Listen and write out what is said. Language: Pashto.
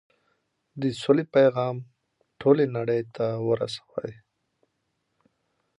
د سولې پيغام ټولې نړۍ ته ورسوئ.